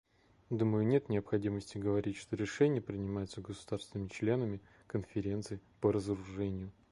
Думаю, нет необходимости говорить, что решения принимаются государствами-членами Конференции по разоружению.